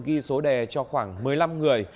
ghi số đề cho khoảng một mươi năm người